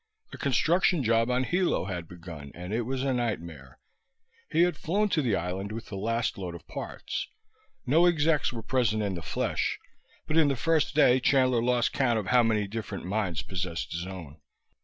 The construction job on Hilo had begun, and it was a nightmare. He was flown to the island with the last load of parts. No execs were present in the flesh, but in the first day Chandler lost count of how many different minds possessed his own.